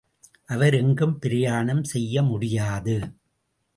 அவர் எங்கும் பிரயாணம் செய்ய முடியாது.